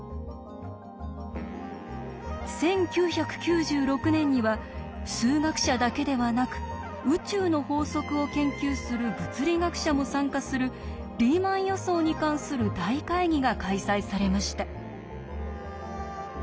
１９９６年には数学者だけではなく宇宙の法則を研究する物理学者も参加するリーマン予想に関する大会議が開催されました。